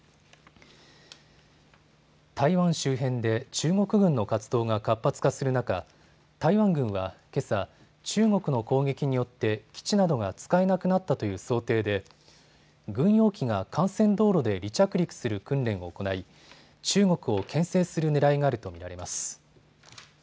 台湾周辺で中国軍の活動が活発化する中、台湾軍はけさ、中国の攻撃によって基地などが使えなくなったという想定で軍用機が幹線道路で離着陸する訓練を行い中国をけん制するねらいがあると見られます。